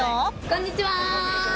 こんにちは！